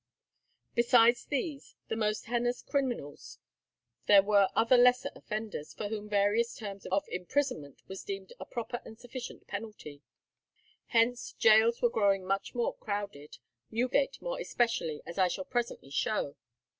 Besides these, the most heinous criminals, there were other lesser offenders, for whom various terms of imprisonment was deemed a proper and sufficient penalty. Hence gaols were growing much more crowded, Newgate more especially, as I shall presently show.